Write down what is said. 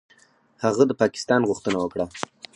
هغه د پاکستان غوښتنه وکړه.